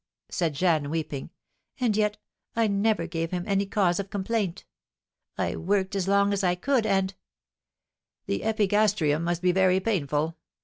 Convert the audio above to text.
said Jeanne, weeping; "and yet I never gave him any cause of complaint. I worked as long as I could, and " "The epigastrium must be very painful.